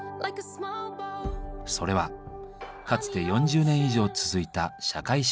それはかつて４０年以上続いた社会主義体制。